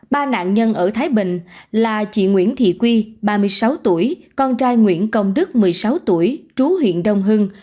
ba nạn nhân ở thái bình là chị nguyễn thị quy ba mươi sáu tuổi con trai nguyễn công đức một mươi sáu tuổi trú huyện đông hưng